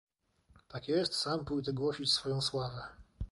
"Tak jest, sam pójdę głosić swoją sławę."